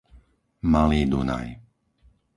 Malý Dunaj